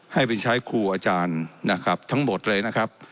ให้ไปใช้ครูอาจารย์นะครับทั้งหมดเลยนะครับ